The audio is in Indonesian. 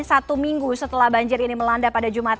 satu minggu setelah banjir ini melanda pada jumat